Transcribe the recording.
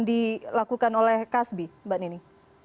dilakukan oleh kasbi mbak nini